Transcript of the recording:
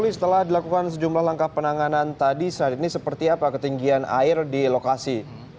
lalu setelah dilakukan sejumlah langkah penanganan tadi saat ini seperti apa ketinggian air di lokasi